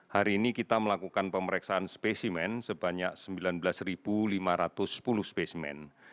hari ini kita melakukan pemeriksaan spesimen sebanyak sembilan belas lima ratus sepuluh spesimen